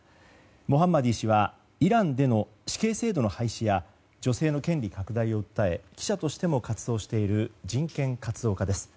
モハンマディ氏はイランでの死刑制度の廃止や女性の権利拡大を訴え記者としても活動している人権活動家です。